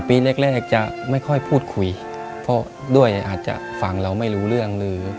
ในแคมเปญพิเศษเกมต่อชีวิตโรงเรียนของหนู